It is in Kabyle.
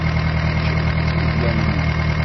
Kečč d tizzya n mmi.